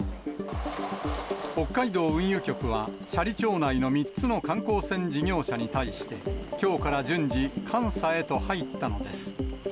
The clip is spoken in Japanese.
北海道運輸局は、斜里町内の３つの観光船事業者に対して、きょうから順次、監査へと入ったのです。